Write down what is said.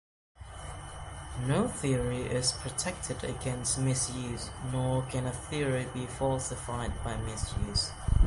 No theory is protected against misuse, nor can a theory be falsified by misuse.